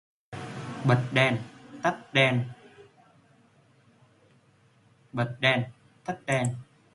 Before becoming a best-selling novelist, Phillips was a five-time champion on Jeopardy!